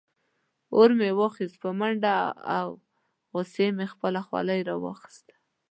اور مې واخیست په منډه او غصې مې خپله خولۍ راواخیسته.